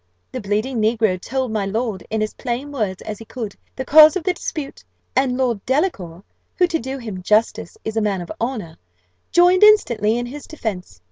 The bleeding negro told my lord, in as plain words as he could, the cause of the dispute; and Lord Delacour, who, to do him justice, is a man of honour, joined instantly in his defence.